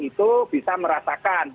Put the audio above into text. itu bisa merasakan